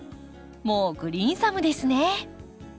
もうグリーンサムですね。